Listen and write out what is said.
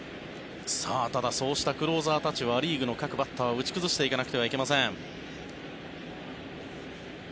ただ、そうしたクローザーたちをア・リーグの各バッターたちは打ち崩していかなくてはなりません。